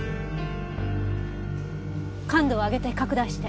感度を上げて拡大して。